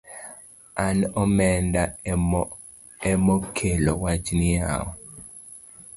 An omenda emokelo wachni yawa